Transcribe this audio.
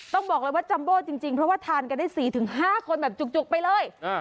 ต้องบอกเลยว่าจัมโบจริงเพราะว่าทานกันได้๔๕คนแบบจุกไปเลย